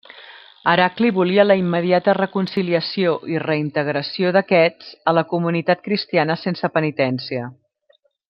Heracli volia la immediata reconciliació i reintegració d'aquests a la comunitat cristiana sense penitència.